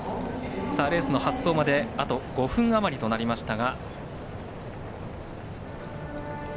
レースの発走まであと５分余りとなりました。